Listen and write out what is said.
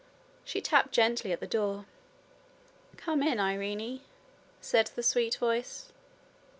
She tapped gently at the door. 'Come in, Irene,'said the sweet voice.